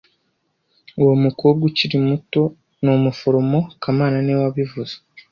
Uwo mukobwa ukiri muto ni umuforomo kamana niwe wabivuze